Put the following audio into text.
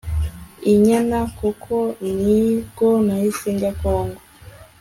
inyana kuko nibwo nahise njya kongo